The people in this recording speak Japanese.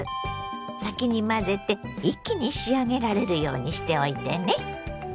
先に混ぜて一気に仕上げられるようにしておいてね。